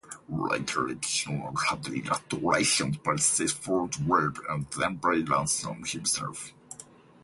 Later editions had illustrations by Clifford Webb and then by Ransome himself.